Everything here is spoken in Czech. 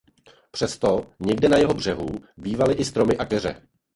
Přesto někde na jeho břehu bývaly i stromy a keře.